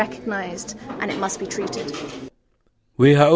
ini harus diperkenalkan dan diperlakukan